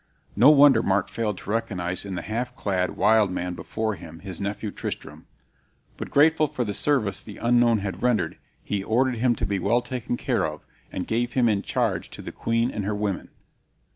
No wonder Mark failed to recognize in the half clad, wild man, before him his nephew Tristram; but grateful for the service the unknown had rendered he ordered him to be well taken care of, and gave him in charge to the queen and her women.